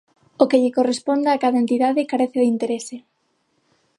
O que lle corresponda a cada entidade carece de interese.